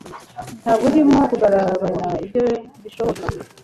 Ntabwo ndimo kugabanya ibyo bishoboka